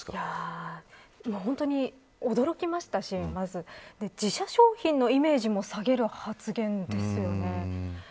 本当に驚きましたし、まず自社商品のイメージも下げる発言ですよね。